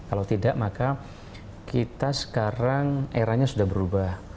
kalau tidak maka kita sekarang eranya sudah berubah